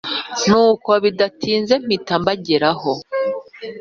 Nuko bidatinze mpita mbageraho